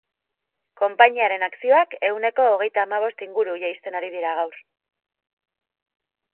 Konpainiaren akzioak ehuneko hogeita hamabost inguru jaisten ari dira gaur.